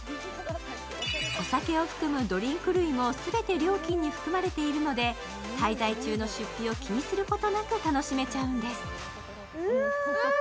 お酒を含むドリンク類も全て料金に含まれているので滞在中の出費を気にすることなく楽しめちゃうんです。